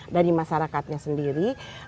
dari masyarakatnya sendiri